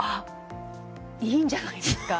いいんじゃないですか？